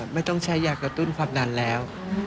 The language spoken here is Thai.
ไม่ต้องใช้ยากระตุ้นความดันแล้ว